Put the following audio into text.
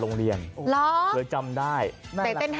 เกิดไม่ทันอ่ะ